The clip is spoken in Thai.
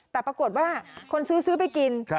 แต่ปรากฏว่าคนซื้อซื้อไปกิน